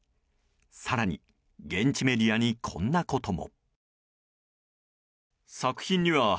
更に、現地メディアにこんなことも。